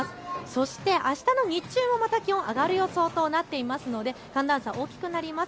そしてあしたの日中もまた気温が上がる予想となっていますので寒暖差大きくなります。